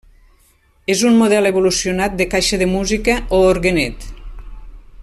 És un model evolucionat de caixa de música o orguenet.